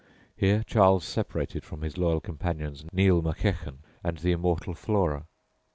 Here Charles separated from his loyal companions Neil Mackechan and the immortal Flora.